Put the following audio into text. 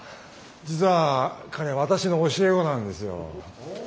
実は彼私の教え子なんですよ。